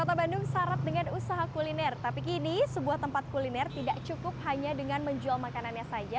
kota bandung syarat dengan usaha kuliner tapi kini sebuah tempat kuliner tidak cukup hanya dengan menjual makanannya saja